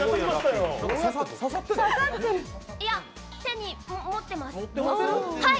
いや、手に持ってます、はい。